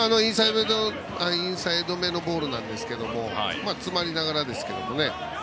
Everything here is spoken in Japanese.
インサイドめのボールなんですけれども詰まりながらですけどね。